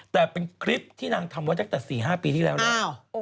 แต่เป็นคลิปที่นางทำไว้ตั้งแต่๔๕ปีที่แล้วแล้ว